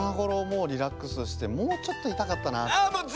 もうリラックスしてもうちょっといたかったなって。